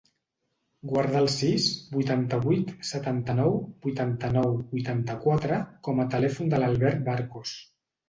Guarda el sis, vuitanta-vuit, setanta-nou, vuitanta-nou, vuitanta-quatre com a telèfon de l'Albert Barcos.